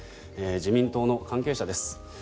自民党の関係者です。